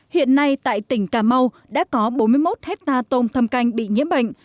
hiện nay tại tỉnh cà mau đã có bốn mươi một hectare tôm thâm canh bị nhiễm bệnh